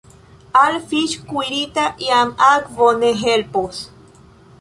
Al fiŝ’ kuirita jam akvo ne helpos.